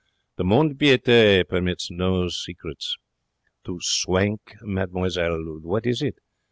The mont de piete permits no secrets. To swank, mademoiselle, what is it?